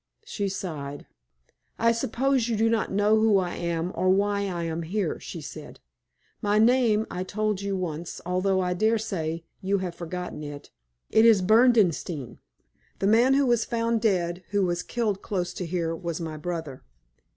She sighed. "I suppose you do not know who I am, or why I am here," she said. "My name I told you once, although I daresay you have forgotten it. It is Berdenstein. The man who was found dead, who was killed close to here, was my brother."